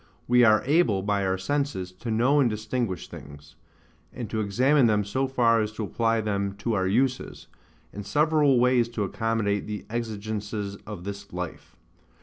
We are able, by our senses, to know and distinguish things: and to examine them so far as to apply them to our uses, and several ways to accommodate the exigences of this life.